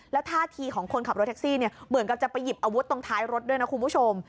แล้วท่าทีของคนขับรถแท็กซี่เนี่ยเหมือนกับจะไปหยิบอาวุธตรงท้ายรถด้วยนะคุณผู้ชม